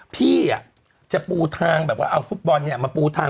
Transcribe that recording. พี่จะปูทางเอาฟุตบอลนี่มาปูทาง